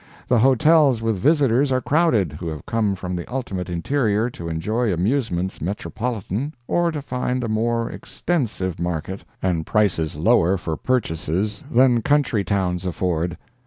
The hotels With visitors are crowded, who have come From the ultimate interior to enjoy Amusements metropolitan, or to find A more extensive market, and prices lower For purchases, than country towns afford.